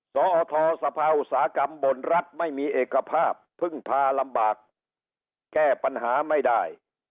สอทสภาอุตสาหกรรมบ่นรัฐไม่มีเอกภาพพึ่งพาลำบากแก้ปัญหาไม่ได้